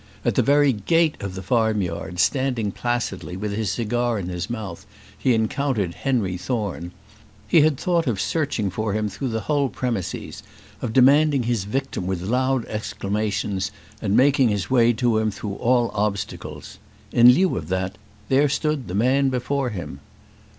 At the very gate of the farm yard, standing placidly with his cigar in his mouth, he encountered Henry Thorne. He had thought of searching for him through the whole premises, of demanding his victim with loud exclamations, and making his way to him through all obstacles. In lieu of that, there stood the man before him.